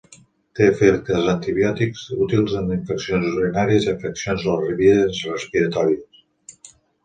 Té efectes antibiòtics útils en infeccions urinàries i afeccions a les vies respiratòries.